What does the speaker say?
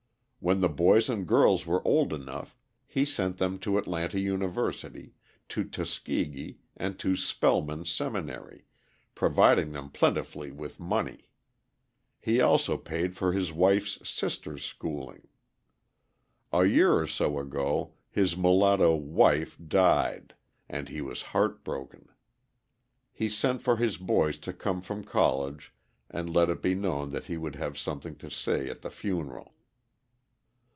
When the boys and girls were old enough, he sent them to Atlanta University, to Tuskegee, and to Spellman Seminary, providing them plentifully with money. He also paid for his wife's sister's schooling. A year or so ago his mulatto "wife" died; and he was heart broken. He sent for his boys to come from college and let it be known that he would have something to say at the funeral.